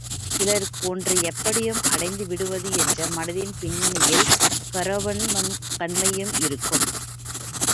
சிலருக்கு ஒன்றை எப்படியும் அடைந்து விடுவது என்ற மனத்தின் பின்னணியில் கரவும் வன்கண்மையும் இருக்கும்.